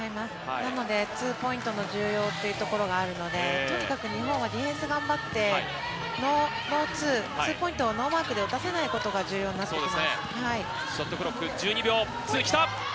なので、ツーポイントの重要というところがあるので、とにかく日本はディフェンス頑張って、ノーツー、ツーポイントをノーマークで打たせないことが重要になってきます。